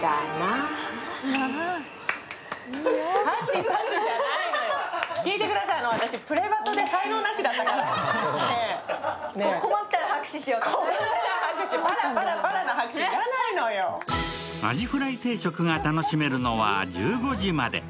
アジフライ定食が楽しめるのは１５時まで。